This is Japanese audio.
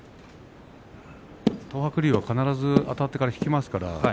東白龍は必ずあたってから引きますからね。